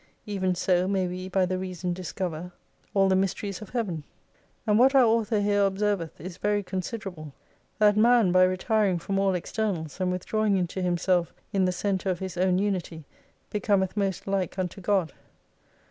Even so may we by the Reason discover all the 300 mysteries of heaven. And what our author here observeth, is very considerable, That man by retiring from all externals and withdrawing into himself in the centre of his own unity hecometh most like unto God.